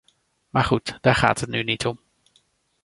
Maar goed, daar gaat het nu niet om.